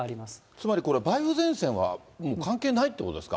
つまりこれ、梅雨前線は関係ないということですか？